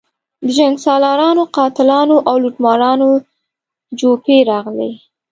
د جنګسالارانو، قاتلانو او لوټمارانو جوپې راغلي.